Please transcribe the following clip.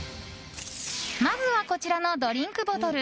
まずはこちらのドリンクボトル。